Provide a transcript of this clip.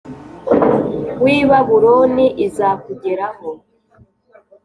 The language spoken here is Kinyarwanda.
W i babuloni izakugeraho